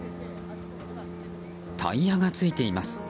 タイヤがついています。